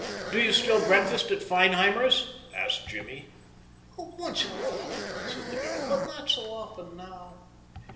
"Do you still breakfast at Feinheimer's?" asked Jimmy. "Once in a while," said the girl, "but not so often now."